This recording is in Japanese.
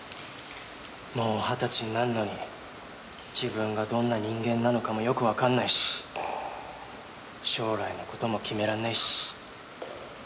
もう二十歳になるのに自分がどんな人間なのかもよくわかんないし将来の事も決めらんないし。